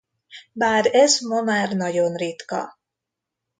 Bár ez ma már nagyon ritka.